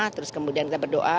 terus kemudian kita berdoa